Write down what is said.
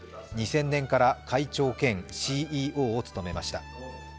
２０００年から会長兼ＣＥＯを務めました。